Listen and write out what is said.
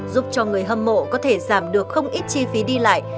giúp cho người hâm mộ có thể giảm được không ít chi phí đi lại